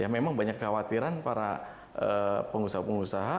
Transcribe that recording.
memang banyak kekhawatiran para pengusaha pengusaha